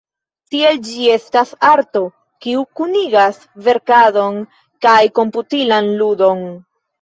Tiel, ĝi estas arto, kiu kunigas verkadon kaj komputilan ludon.